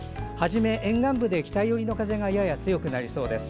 はじめは沿岸部で北寄りの風がやや強くなりそうです。